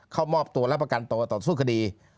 เข้ามอบตัวและประกันตัวต่อสู้คดี